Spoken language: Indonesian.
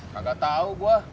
kagak tau gue